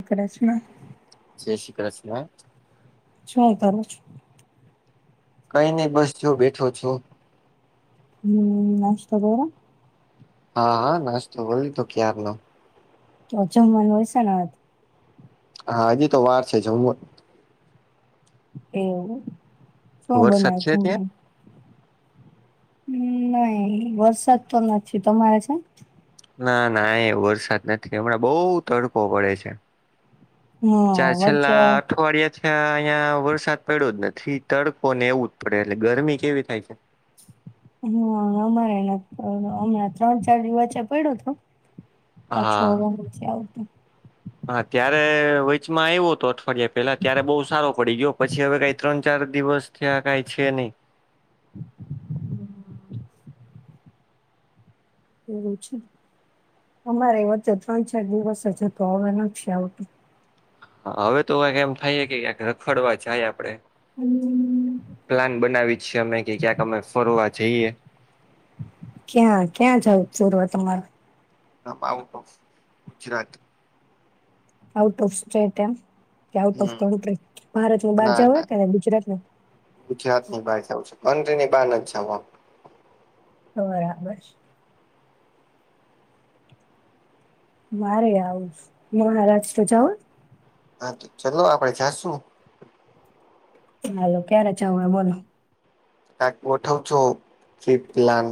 એક રચના. જય શ્રી કૃષ્ણા. શું કરું છો.? કઈ નઈ બસ જો બેઠો છો. હમ નાશ્તો કર્યો.? હા હા નાસ્તો બોલ તો ક્યાર નો. ઓછું મન હોય છે ને હવે? હા હજી તો વાર છે જમવા એવું શું વરસાદ બનાવ છે ત્યાં છું.? હ નહી વરસાદ તો નથી તમારે છે.? ના ના એ વરસાદ નથી હમણાં બહુ તડકો પડે છે. ચાર હા વચ્ચે છેલ્લા અઠવાડિયાથી અ અહિયાં વરસાદ પડ્યો જ નથી તડકો ને એવું જ પડે એટલે ગરમી કેવી થાય છે. હમ અમારે નથ પયડો હમણાં ત્રણ ચાર દિ વચ્ચે પડ્યું તો હા પાછોડવા છે આવું તો હા ત્યારે વેચમાં આવ્યો હતો અઠવાડિયા પેલા ત્યારે બહુ સારો પડી ગયો પછી હવે કઈ ત્રણ ચાર દિવસ ત્યાં કઈ છે નહી. એવું છે અમારે વચચે ત્રણ ચાર દિવસ હ જ તો હવે ના છે આવતું. હવે તો કક એમ થાય કે ક્યા રખડવા જાય આપડે. હમ પ્લાન બનાવી છીએ અમે કે ક્યાંક અમે ફરવા જઈએ. ક્યાં ક્યાં જઉ ચોરવા તમારે નામ out of Gujarat out of state એમ કે આઉટ ઓફ હમ કન્ટ્રી ભારત ની બાર ના ના જવાય કેને ગુજરાત ગુજરાત ની બહાર જઉ છ કન્ટ્રી ની બાર નથી જાવ બરાબર. મારે આવું મહારાજ તો જાાવ હા તો ચલો આપડે જાશું હાલો ક્યારે જવ બોલો ક્યાંક ગોઠવ છો ટ્રીપ પ્લાન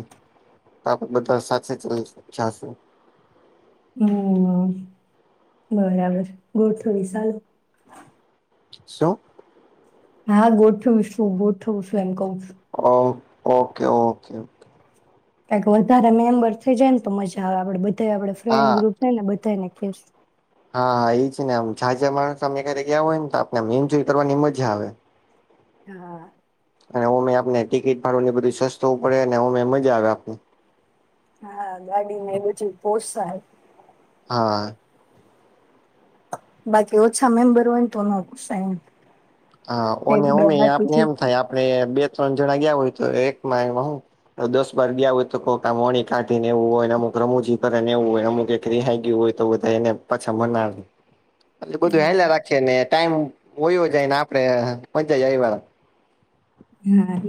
તો આપ બધા સાથે જાસુ હમ્મ બરાબર ગોળ થોડી સાલું શું હા ગોઠવું શું ગોથવું છું એમ કઉ છું. હ ઓકે ઓકે ક વધારે મેમ્બર થઇ જાય ને તો મજા આવે આપડે બધા આપ ફ્રેન્ડ હા ગ્રુપ થ ને બધાને હા હા એ જ ને આમ જાજા માણસ અમે ઘરે ગયા હોય ને તો આપનેમ એન્જોય કરવાની મજા આવે. હા. અને ઓ મેં આપને ટિકિટ ભાડુ ને બધું સસ્તું પડે ને ઓમે મજા આવે આપને હા ગાડી ને બધી પોસાય હા. બાકી ઓછા મેમ્બર હોય ને તો ન પોસાય હા એક બે ઉમે હાટુ આપને થી એમ થાય આપણે બે ત્રણ જણા ગયા હોય તો એકમાં એમાં હું દસ બાર ગયા હોય તોઈક મોણી કાઢીનેવું હોયને અમુક રમુજી કરે ને એવું હોય અમુક રિહાય ગયું હોય તો બધા એને પાછા મનાવે એટલે બધું હા હેલા રાખીએ ને ટાઈમ હોયો જાયને આપડે [unintelligible]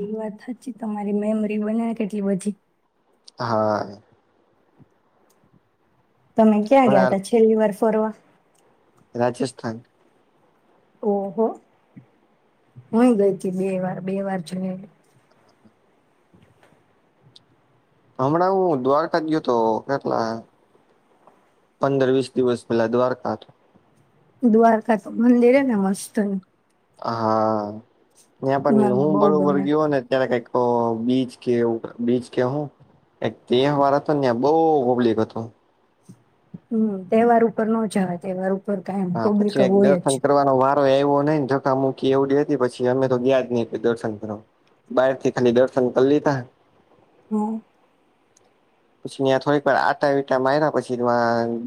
એ વાત સાચી તમારી મેમરી બને કેટલી બધી હા. તમે ક્યાં ઘણા ગયા તા છેલ્લી વાર ફરવા રાજસ્થાન ઓહ હુંય ગઈ તી બે વાર બે વાર જોયેલી હમણાં હું દ્વારકા જ ગયો હતો કેટલા પંદર વીસ દિવસ પેલા દ્વારકા દ્વારકા તો મંદિર ને મસ્ત હા યા મને પણ હું બો બરોબર ગમે ગયો ને ત્યારે કઈક બીજ કે બીજ કે હું એક તેવાર તો ને બહુ પલબ્લિક હતું. હમ તહેવાર ઉપર ન જવાય તહેવાર ઉપર કાયમ હા પબ્લિક પછી એક હોય દિવસ જ [unintelligible] વાર એવું નઈને જતા મૂકી એવડી હતી પછી અમે તો ગયા જ નય દર્શન કરવા બહાર થી ખાલી દર્શન કર લીધા હમ્મ પછી ત્યાં થોડીક વાર આટા વિટા માર્યા પછી એ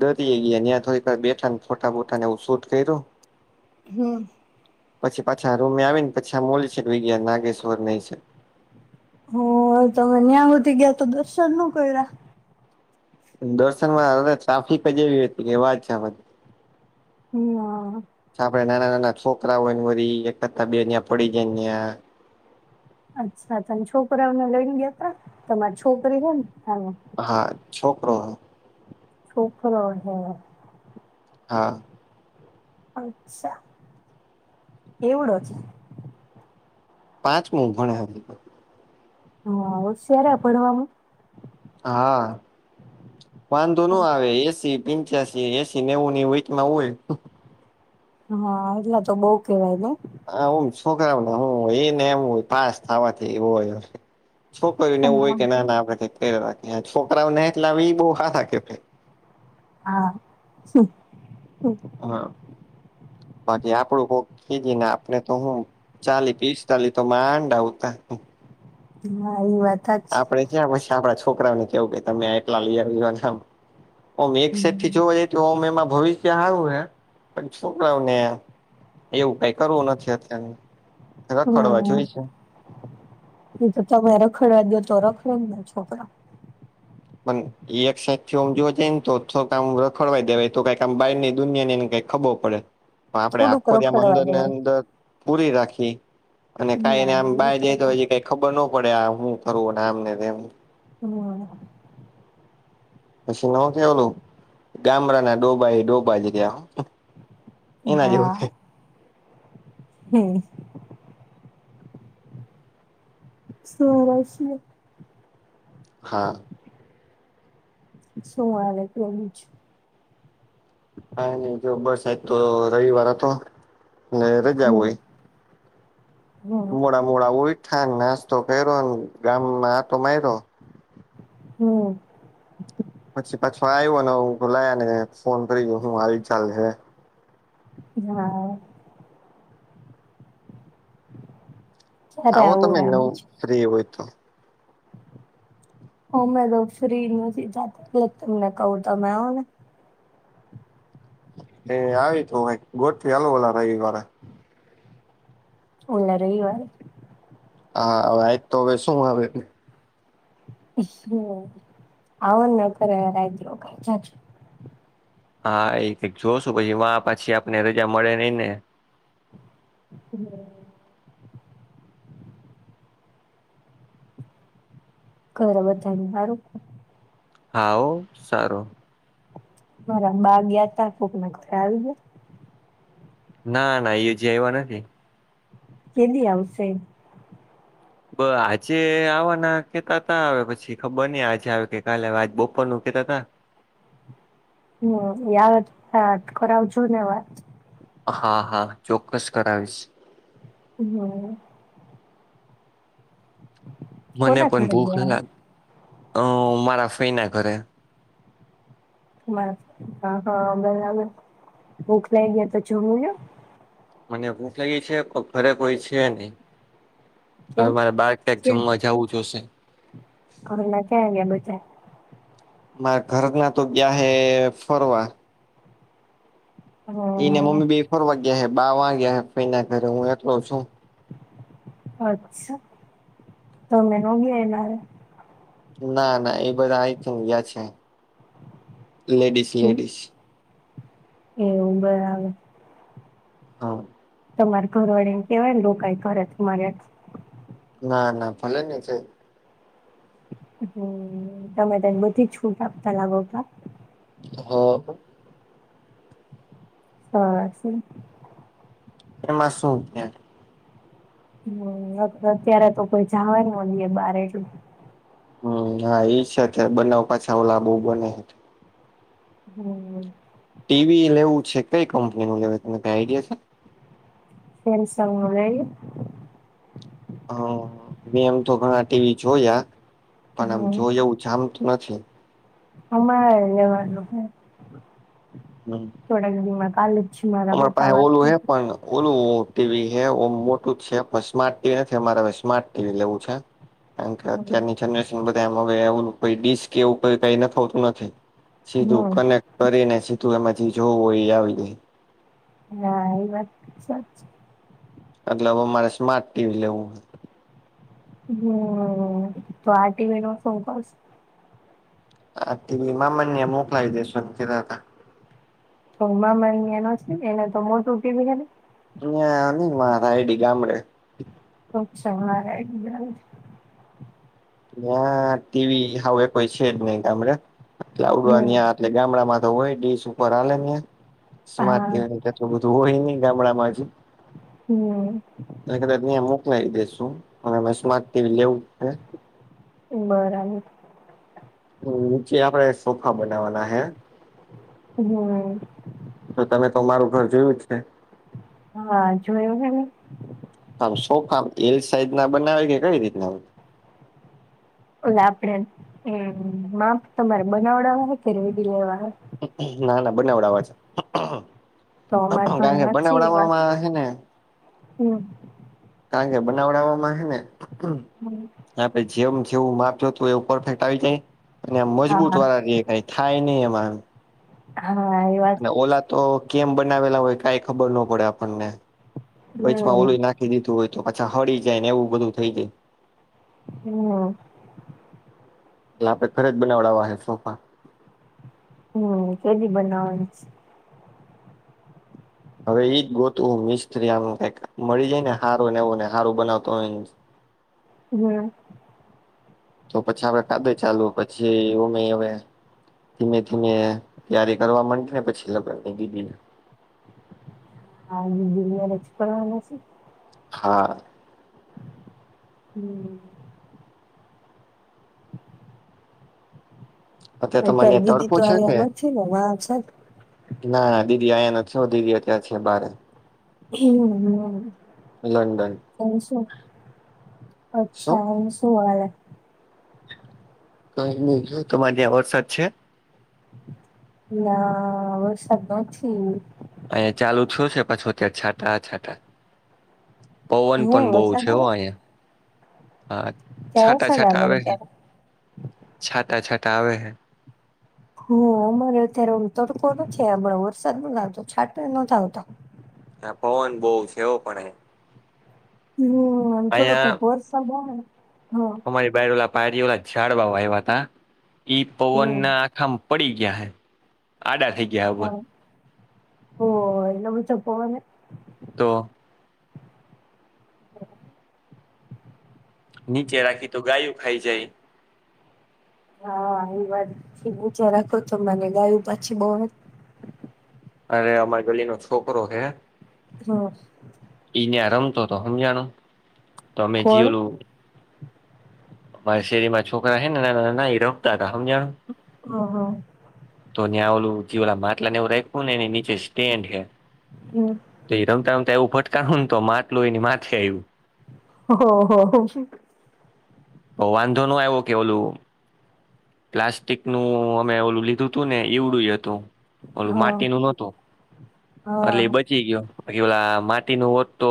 દરીયે ગયાં થોડીક વાર બેઠા ફોટા બોટા ને એવું શૂટ કર્યું. હમ્મ. પછી પાછા રૂમે આવી ને પછી આમ ઓલી સાઇડ વય ગયા નાગેશ્વર ને એ સાઇડ હો તમે ન્યા હુધી ગયા તો દર્શન નો કર્યા. દર્શન માં ટ્રાફિક જ એવી હતી કે વાત [unintelligible] હમ આપડે નાના નાના છોકરાઓયને વી એક કરતા બે્યાં પડી જાય ત્યાં અચ્છા ત છોકરાઓ લઈને ગયા હતા ત છોકરી હોયને હ હા છોકરો શોકણ હ હા અચ્છા એવડો છે. પાંચમ ભણે હતી. હા શ્યારે ભડવામાં હા વાંધો નું આવે એસી. પિંચશી એસી નેવુંની વટમાં હોય. હા એટલા તો બહ કેવાય ને હા હમ છોકરાને હું એને એમ હોય પાસ થવાથી એવ હોય. છોકરી ને હોય કે નઈ ના ના આવે છોકરાઓને એટલે એ બ હા થે હા. હા બાકી આપડું ભક કી જને આપણે તો હું. ચાલી પીસતાાલી તો માંડા આવતા. હ વાત હાચી આપડે ક્યાં પછી આપડા છોકરા ને કેવું કે તમે એકલા લઈ આવનેમ. ઓમ એક સાઈડ થી જોવા જઈ તોમ એમાં ભવિષ્ય આવું હે પણ શકાવને એવું કઈ કરવું નથી અત્ય્યારે રખડવા હા જોઈ છે. એ તો તમે રખડ દો તો રખડ ના છોકરા મને એ એક સા થીમ જોવા જાય ને તો થો કામ રખડવાઈ દેવાય તો કઈક આમ બહાર ની દુનિયા ને કઈ ખબરો પડે પણ આપડે થોડુંક આખો ત્યા આ રખડવા મંદરની અંદર પૂરી રાખી અને દેવાય કાઈને આમ ના એ બહાર જાય તો હોય છે કઈ ખબર ન પડે હું કરું આમને હ પછી ન કે ઓલું ગામડા ના ડોભાાઈ ડોભા જ ત્યા હ હમ સ છે. હા શુંવા તો છે. હા ન જો બસ આ તો રવિવાર હતો ને રજા હમ હોય હમ ડા મળ ઉય થાને નાસ્તો કર્યોને ગામમાં આતો માર્યો હમ પછી પાછો આવ્યો ને હું તો લાયા ને ફોન કરીયો હું આવી ચલે હે હા ક્યારે આવો તમે આવું આ નવ બાજુ ફ્રી હોય તો. હ મેં તો ફ્રી ન જતા તમને કહું તો મે ઓને હ આવી તું ગોઠવી હાલ વાલા રવિવારે ઓ રહીવાર. હા હવે આજ તો હવે શું આવે. આવન કરરારો ચ હા એ ક જોશું પછી પછી આપને રજા મળે નઈ ને હમ ઘર બધાનું સારું હા સારું મારા બા ગયા ત કોકને ઘરે આવી જાય. ના ના એયોજી એવા નથી. કે દ આવશે બ આજે આવવાના કેતા તા હ પછી ખબર નહ આજે આવે કે કાલે આ બપોર ન કેતા હતા. હમયા અટકોરા આવ છું નવા હા હા ચોક્કસ કરાવીશ. હમ મને કોના પણ ઘરે ભૂખ ગયા લાગ અ મારા ફઈ ના ઘરે બ હ હા બરાબર ભૂખ લઈ ગયા તો જોમું મને ભૂખ લાગી છે ઘરે કોઈ છે નહી કેમ હવે મારે બારટેક જમવા જવું જોશે અર ના કે બચા મારા ઘર ના તો ગ હ ફરવા હ એઈને મમ્મી બે ફોર વાગ્યા હ બ વાગ્યા હ ફના ઘરે હું એટલો છું અચ્છા તોમે ન ગયા એ મારે ના ના એ બધા આ થ ગયા છે લેડીસ હારે લેડીસ એવું બરા આવે હા તમારે ઘરવાળેને કેવાય ને રકા કરરે તમારે ના ના ભલે નને છે હમ તમે તને બધી જ છૂટ આપતા લાગોતા હા હા છે એ માસું્યા હમ અત્યારે તો કોઈ જવા ન હોય બાર એટલું હમ હા ઈ છે બનાવ પાછા ઓ લ બુ બને હમ ટીવી લેવું છે કઈ કંપની નું લેવ ત કઈ આઈડિયા છે એ સૌ મળલી હ મેં એમ તો ઘણા ટીવી જોયા પણ આમ હમ્મ જોય એવું જામતું નથી અમારે લેવાનું હમ ચોડાી કા અમાર પાસે ઓલું હ પણ ઓલું ટીવી હ મોટું છે પણ સ્માર્ટ ટીવી નથી અમારે હવે સ્માર્ટ ટીવી લેવું છે [unintelligible] કારણ કે અત્યારની જનરેશન બધામ હવે એવું ડીશ એવું કઈ ના થતું નથી સીધું હમ્મ કનેક્ટ કરીને સીધું એમાંથી જોવું એ આવી જાય ના એ વાત સાચ એટલે હવે મારે સ્માર્ટ ટીવી લેવું હોય હમ તો આટી વળમાં સૌપ આ ટીવી મનને મોકલાવી દેસો કીધા હતા તમા મા ્ઞ ન નથી એને તમ તુટી ખાને અમાં સાાયડી ગામડે અચ્છા મારા ના્યા ટીવી હવે કોઈ છે જ નહી ગામડે હમ્મ એલેડવા એટલે ગામડામાં તો હોય ડીસ ઉપર હા સમાજ હા તો બધું હોય નહિ ગામડામાંથી. હમ કદાચ મોકલાવી દેસુ અને સ્માર્ટ ટીવી લેવું બરાબર નીચે આપણે સોફા બનાવવાના હે હમ તો તમે તો અમારું ઘર જોયું જ છે. હા જોયું હેને. આમ સોફા એલ સાઈઝ ના બનાવે કે કઈ રીતના હોય. ઓલે આપડે હ માપ તમારે બનાવડવા કે રેડી લેવા ના ના બનાવડવા છે તો અમારે ઘરે કારણ કે નથી એ વાત બનાવડવામાં છે ને હમ કારણ કેે બનાવડાવમાં હે ને હમ આપે જેમ જેવું માપ જોતું એવું પરફેક્ટ આવી જાય અને મજબૂત હા વાળા દેખાય. થાય નહી એમાં એમ હા એ વાત ઓલા તો કેમ બનાવેલા હોય કઈ ખબર ન પડે આપણને વચમાં હમ ઓલું નાખ દીધું હોય તો અચ્છા હળી જાય ને એવું બધું થઈ જાય હમ એ આપણે ઘરે જ બનાવડાવ છે સોફા હમ કેલી બનાવાની છે. હવે ઈજ ગોતું મિસ્ત્રી આમ કક મળી જાય ને હારું ને એવું ને હારું બનાવતો હોય. હમ તો પછી આપણે તાબે ચાલવુ પછી ઓબે હવે. ધીમે ધીમે તૈયારી કરવા માંડીએ ને પછી લગન ની દીધી. હા જી રક્ષ પણવાના છે. હા હમ [inaudible] અત્યારે તમાને અહીંયા દીદી તડકો તો છે કે અહીંયા નથી ને વાહ છે ના ના દીદી અહીંયા નથી હો દીદી અત્યારે છે બારે હમ હમ લંડન એમ શું? શું અચ્છા એ શું હલ આય. કાંઇ નહીં તમારે ત્યાં વરસાદ છે. ના વરસાદ તો નથી. અહીંયા ચાલુ થયો છે પાછો ત્યાં છાંટા છાંટા પવન હે પણ બહુ વરસાદ છે હો આવે અહીયા હા ત્યાં છાંટા વરસાદ છાંટા આવે અત્યારે છે. છાંટા છાંટા આવેે હય. હમમ અમારે અત્યારે તડકો નથી છે આો વરસાદ ન આવતો છાંટો નથી આવતો. હ પવન બહુ છે એવો પણ એ હમ થોડો કઈક વરસાદ આવે ને હા [unintelligible] ઓ ઝાડ વા આવ્યા હતા ઈ પવન હમ ના આખા. પડી ગયા હે આડા થઈ ગયા બર ઓહ એટલો ઊંચો પવન હે તો હમ નીચે રાખી તો ગાયું ખાઈ જાય. હા એ વાત ઊંચા રાખો તો મને ગાયું પછી બહુ હે અરે અમારે ગલી નો છોકરો હે, હા ઈને આ રમતો તો હમજ્યાનો તો અમે જી કોણ ઓલું. મા શેરી માં છોકરા હ ને ના રખતા હતા હમજણો હ હ તો ન્યા ઓલું જીવાલા માટલા ને એવું રાખું ને એ નીચે સેન્ડ હે હમ્મ તો એ રમતા રમતા એવું ભટકાણુ ને તો માટલું એને માથે આવ્યું. હો હો હો ઓ વાંધો નું આય્વો કે ઓલુ પ્લાસ્ટિક નું અમે ઓલું લીધું હતું ને એવડું હતું. ઓલું હા માટી નું નોતું એટલે હા એ બ ચિ ગયો પછી ઓલા માટી નું ઓત તો